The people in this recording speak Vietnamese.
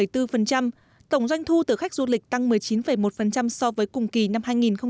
tăng hai mươi năm bốn tổng doanh thu từ khách du lịch tăng một mươi chín một so với cùng kỳ năm hai nghìn một mươi năm